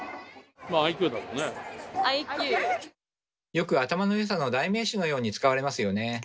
よく「頭のよさ」の代名詞のように使われますよね。